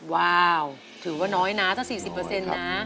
ว้าวถือว่าน้อยนะถ้า๔๐นะ